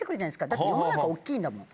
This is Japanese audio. だって世の中大っきいんだもん。